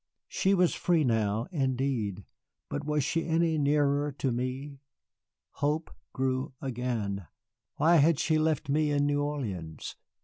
She was free now, indeed, but was she any nearer to me? Hope grew again, why had she left me in New Orleans?